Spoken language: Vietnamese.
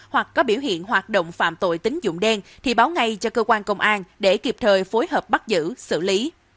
hoặc có biểu hiện hoạt động phạm tội tính dụng đen thì báo ngay cho cơ quan công an để kịp thời phối hợp bắt giữ xử lý